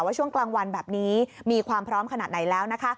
ช่วงกลางวันแบบนี้มีความพร้อมขนาดไหนแล้วนะคะ